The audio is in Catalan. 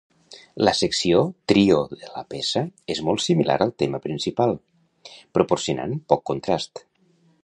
La secció Trio de la peça és molt similar al tema principal, proporcionant poc contrast.